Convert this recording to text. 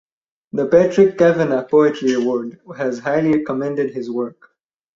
The Patrick Kavanagh Poetry Award has "highly commended" his work.